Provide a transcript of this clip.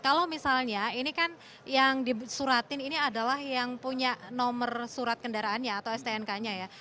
kalau misalnya ini kan yang disuratin ini adalah yang punya nomor surat kendaraannya atau stnk nya ya